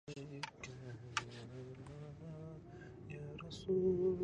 د ليکوالانو په مرسته چاپېدله